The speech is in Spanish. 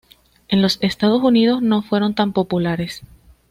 En los Estados Unidos no fueron tan populares.